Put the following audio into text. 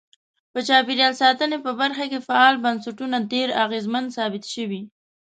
په چاپیریال ساتنې په برخه کې فعال بنسټونه ډیر اغیزمن ثابت شوي.